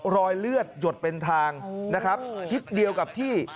รอยเลือดหยดเป็นทางนะครับทิศเดียวกับที่